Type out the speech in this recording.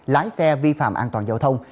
lái xe vi phạm an toàn giao thông